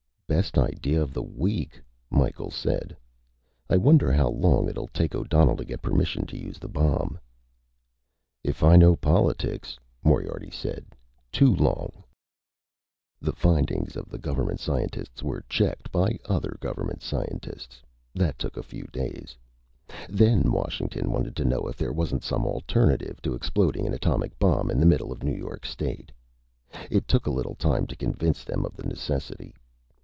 "Best idea of the week," Micheals said. "I wonder how long it'll take O'Donnell to get permission to use the bomb." "If I know politics," Moriarty said, "too long." The findings of the government scientists were checked by other government scientists. That took a few days. Then Washington wanted to know if there wasn't some alternative to exploding an atomic bomb in the middle of New York State. It took a little time to convince them of the necessity.